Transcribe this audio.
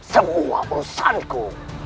semua urusan ku